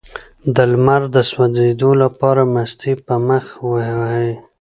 د لمر د سوځیدو لپاره مستې په مخ ووهئ